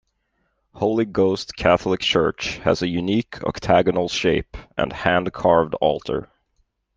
Holy Ghost Catholic Church has a unique octagonal shape and hand-carved altar.